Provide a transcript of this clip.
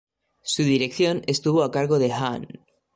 Su dirección estuvo a cargo de Hahn.